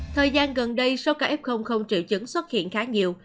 thời gian gần đây số ca f không triệu chứng xuất hiện khá nhiều